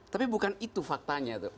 tapi bukan itu faktanya tuh